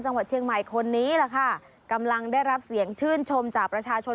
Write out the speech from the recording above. จังหวัดเชียงใหม่คนนี้แหละค่ะกำลังได้รับเสียงชื่นชมจากประชาชน